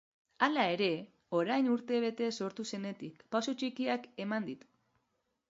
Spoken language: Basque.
Hala ere, orain urte bete sortu zenetik, pauso txikiak eman ditu.